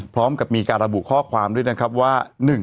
พร้อมกับมีการระบุข้อความด้วยนะครับว่า